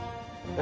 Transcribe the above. え！